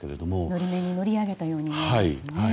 法面に乗り上げたように見えますね。